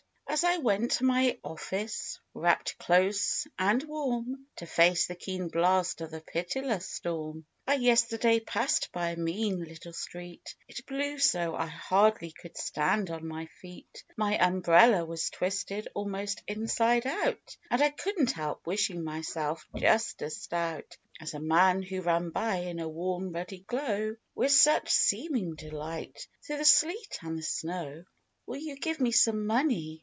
"As I went to my office, wrapt up close and warm, To face the keen blast of the pitiless storm, THE BOY AND HIS SLED. 39 I yesterday passed by a mean, little street; It blew so, I hardly could stand on my feet; My umbrella was twisted almost inside out, And I couldn't help wishing myself just as stout As a man who ran by, in a warm, ruddy glow, "With such seeming delight, through the sleet and the snow. " 4 Will you give me some money?